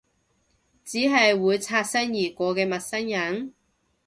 只係會擦身而過嘅陌生人？